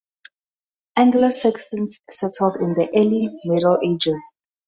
Anglo-Saxons settled in the Early Middle Ages.